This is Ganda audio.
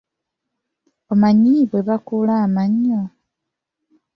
Omanyi bwe bakuula amannyo?